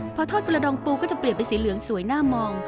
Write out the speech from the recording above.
พอทอดกระดองปูก็จะเปลี่ยนเป็นสีเหลืองสวยหน้ามอง